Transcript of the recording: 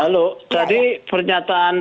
halo tadi pernyataan